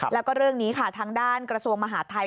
แล้วก็เรื่องนี้ค่ะทางด้านกระทรวงมหาดไทย